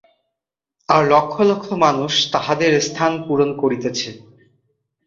আর লক্ষ লক্ষ মানুষ তাহাদের স্থান পূরণ করিতেছে।